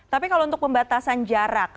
tapi kalau untuk pembatasan jarak